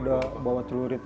udah bubarin aja gimana